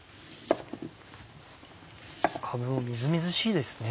かぶもみずみずしいですね。